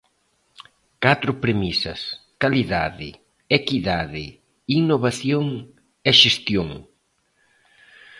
Catro premisas: calidade, equidade, innovación e xestión.